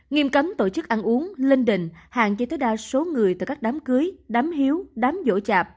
nghiêm cấm tổ chức ăn uống linh đình hạn chế tối đa số người từ các đám cưới đám hiếu đám vỗ chạp